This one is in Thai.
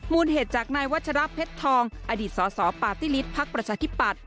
มูลเหตุจากนายวัชรัพย์เพชรทองอดีตสอปาติฤทธิ์พักประชาธิปัตธ์